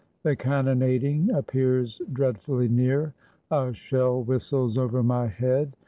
The cannonading appears dreadfully near. A shell whistles over my head.